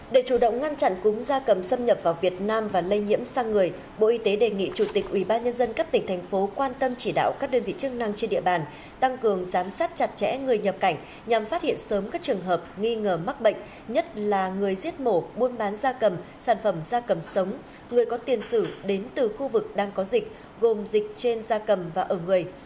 để chủ động ngăn chặn cúm gia cầm xâm nhập vào việt nam và lây nhiễm sang người bộ y tế đề nghị chủ tịch ubnd các tỉnh thành phố quan tâm chỉ đạo các đơn vị chức năng trên địa bàn tăng cường giám sát chặt chẽ người nhập cảnh nhằm phát hiện sớm các trường hợp nghi ngờ mắc bệnh nhất là người giết mổ buôn bán gia cầm sản phẩm gia cầm sống người có tiền sử đến từ khu vực đang có dịch gồm dịch trên gia cầm và ở người